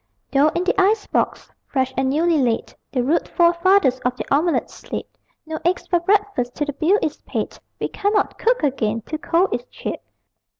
Though in the icebox, fresh and newly laid, The rude forefathers of the omelet sleep, No eggs for breakfast till the bill is paid: We cannot cook again till coal is cheap.